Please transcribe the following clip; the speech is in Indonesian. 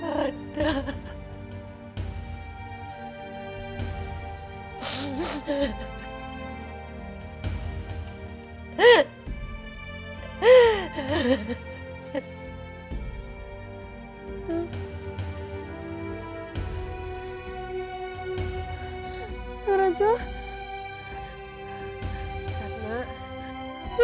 itu teman kau